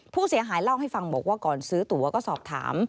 ผู้เสียหายเล่าให้ฟังบอกว่าก่อนซื้อตัวก็สอบถาม